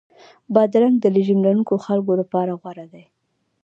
بادرنګ د رژیم لرونکو خلکو لپاره غوره دی.